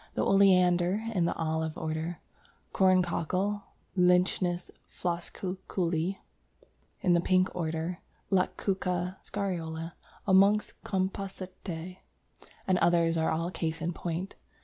The Oleander, in the Olive order, Corncockle (Lychnis floscuculli), in the Pink order, Lactuca Scariola amongst Compositæ and others are all cases in point.